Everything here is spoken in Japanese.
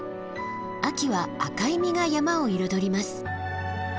秋は赤い実が山を彩ります。